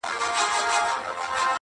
هر څوک ځان په بل حالت کي احساسوي ګډ